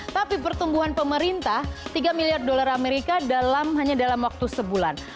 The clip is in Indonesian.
tapi pertumbuhan pemerintah tiga miliar dolar amerika hanya dalam waktu sebulan